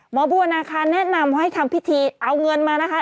บัวนาคารแนะนำให้ทำพิธีเอาเงินมานะคะ